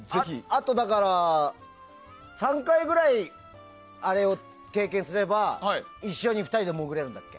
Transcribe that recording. あと、だから３回ぐらいあれを経験すれば一緒に２人で潜れるんだって。